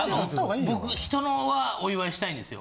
僕人のはお祝いしたいんですよ。